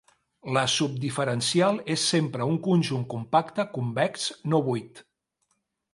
La subdiferencial és sempre un conjunt compacte convex no buit.